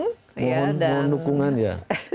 mohon dukungan ya